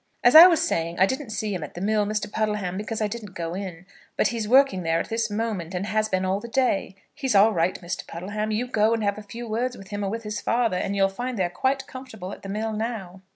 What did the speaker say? "As I was saying, I didn't see him at the mill, Mr. Puddleham, because I didn't go in; but he's working there at this moment, and has been all the day. He's all right, Mr. Puddleham. You go and have a few words with him, or with his father, and you'll find they're quite comfortable at the mill now."